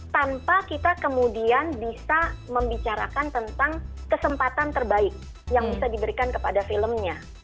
tanpa kita kemudian bisa membicarakan tentang kesempatan terbaik yang bisa diberikan kepada filmnya